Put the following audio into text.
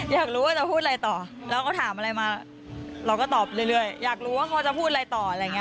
อยากรู้ว่าจะพูดอะไรต่อแล้วก็ถามอะไรมาเราก็ตอบเรื่อยอยากรู้ว่าเขาจะพูดอะไรต่ออะไรอย่างนี้